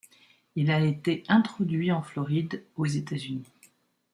Il a été introduit en Floride aux États-Unis.